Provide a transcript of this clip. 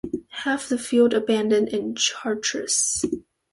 Half the field abandoned in Chartres.